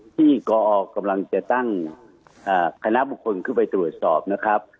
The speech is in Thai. ที่กอกำลังจะตั้งคณะบุคคลขึ้นไปตรวจสอบนะครับ